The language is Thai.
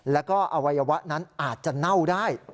แล้วก็อวัยวะนั้นอาจจะเน่าได้